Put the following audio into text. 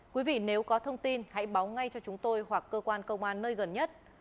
quý vị nếu có thông tin hãy báo ngay cho chúng tôi hoặc cơ quan công an nơi gần nhất